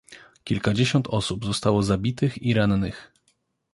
"Kilkadziesiąt osób zostało zabitych i rannych."